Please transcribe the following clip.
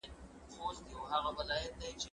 که وخت وي، سفر کوم؟